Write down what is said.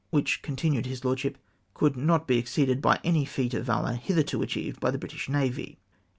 which," continued his Lordship, " could not be exceeded by any feat of valour hitherto achieved by the British navy